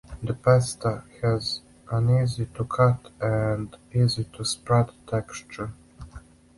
The pasta has an easy-to-cut and easy-to-spread texture.